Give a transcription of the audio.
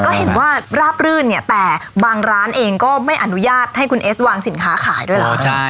ก็เห็นว่าราบรื่นเนี่ยแต่บางร้านเองก็ไม่อนุญาตให้คุณเอสวางสินค้าขายด้วยเหรอ